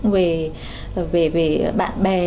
về bạn bè